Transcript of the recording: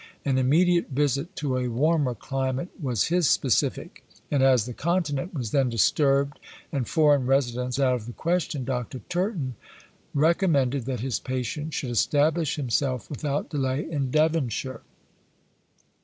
An immediate visit to a warmer climate was his specific; and as the Continent was then disturbed and foreign residence out of the question, Dr. Turton recommended that his patient should establish himself without delay in Devonshire.